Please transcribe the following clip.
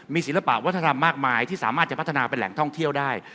มีศิลปะวัฒนธรรมมากมายที่สามารถจะพัฒนาเป็นแหล่งท่องเที่ยวได้